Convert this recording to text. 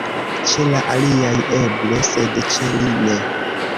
Ĉe la aliaj, eble; sed ĉe li, ne.